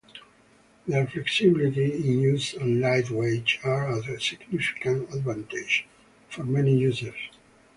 Their flexibility in use and light weight are a significant advantage for many users.